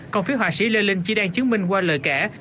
còn phía họa sĩ lê linh chỉ đang chứng minh qua lời kể